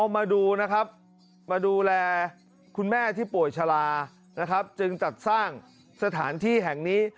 มาดูนะครับมาดูแลคุณแม่ที่ป่วยชะลานะครับจึงจัดสร้างสถานที่แห่งนี้